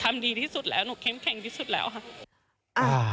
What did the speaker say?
ดีที่สุดแล้วหนูเข้มแข็งที่สุดแล้วค่ะ